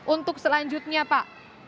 untuk selanjutnya pak